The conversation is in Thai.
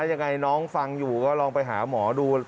ยังไงน้องฟังอยู่ก็ลองไปหาหมอดู